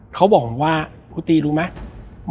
เขาบอกผมว่าครูตีรู้ไหม